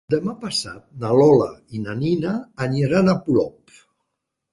Demà passat na Lola i na Nina aniran a Polop.